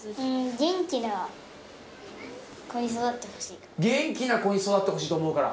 元気な子に育ってほしいと思うから。